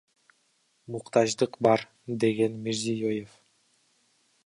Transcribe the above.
Муктаждык бар, — деген Мирзиёев.